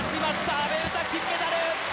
阿部詩、金メダル！